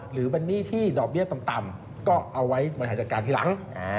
หรือเป็นหนี้ที่ดอกเบี้ยต่ำก็เอาไว้บริหารจัดการทีหลัง